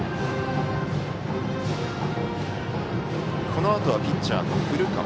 このあとはピッチャーの古川。